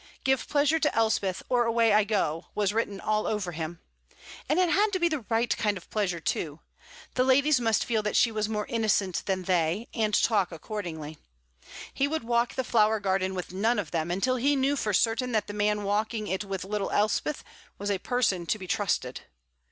"Give pleasure to Elspeth or away I go," was written all over him. And it had to be the right kind of pleasure, too. The ladies must feel that she was more innocent than they, and talk accordingly. He would walk the flower garden with none of them until he knew for certain that the man walking it with little Elspeth was a person to be trusted.